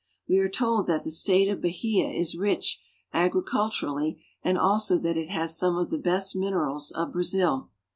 We are told that the state of Bahia is rich agriculturally, and also that it has some of the best minerals of Brazil.